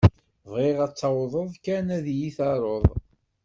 Bɣiɣ ad tawḍeḍ kan ad yi-d-taruḍ.